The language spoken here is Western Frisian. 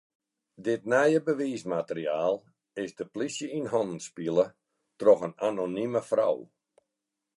Dit nije bewiismateriaal is de plysje yn hannen spile troch in anonime frou.